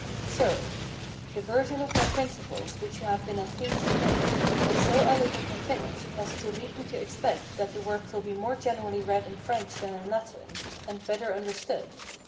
Sir, The version of my principles which you have been at pains to make, is so elegant and finished as to lead me to expect that the work will be more generally read in French than in Latin, and better understood.